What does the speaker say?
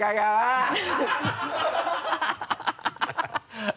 ハハハ